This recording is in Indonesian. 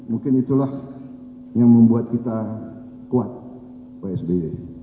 mungkin itulah yang membuat kita kuat pak sby